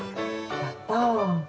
やった！